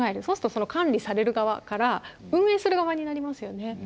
そうすると管理される側から運営する側になりますよね。